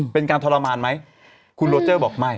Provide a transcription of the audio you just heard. เป็นการทรมานไหมคุณโรเจอร์บอกไม่